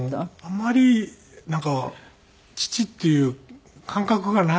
あまりなんか父っていう感覚がないというか。